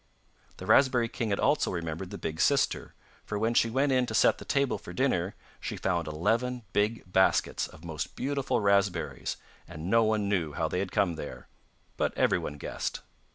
The raspberry king had also remembered the big sister, for when she went in to set the table for dinner, she found eleven big baskets of most beautiful raspberries, and no one knew how they had come there, but everyone guessed.